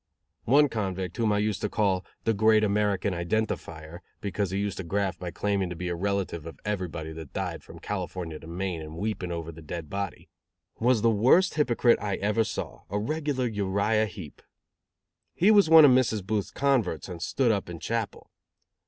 One convict, whom I used to call "The Great American Identifier," because he used to graft by claiming to be a relative of everybody that died, from California to Maine and weeping over the dead body, was the worst hypocrite I ever saw a regular Uriah Heep. He was one of Mrs. Booth's converts and stood up in chapel.